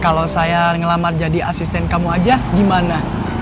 kalau saya ngelamar jadi asisten kamu aja gimana